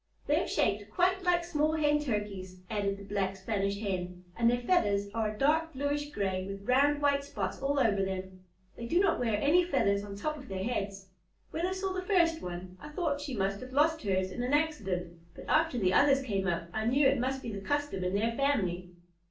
"They are shaped quite like small Hen Turkeys," added the Black Spanish Hen "and their feathers are a dark bluish gray with round white spots all over them. They do not wear any feathers on top of their heads. When I saw the first one, I thought she must have lost hers in an accident, but after the others came up, I knew it must be the custom in their family."